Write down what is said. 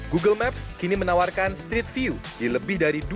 google menganggap indonesia adalah salah satu pasar terbesar dan paling penting untuk kita